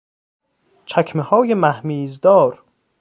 چکمههای مهمیزدار